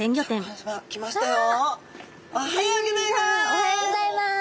おはようギョざいます！